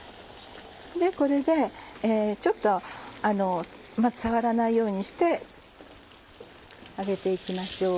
これで触らないようにして揚げて行きましょう。